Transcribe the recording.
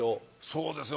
そうですね。